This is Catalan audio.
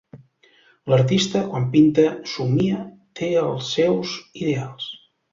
L'artista, quan pinta, somia, te els seus ideals